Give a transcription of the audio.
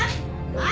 はい。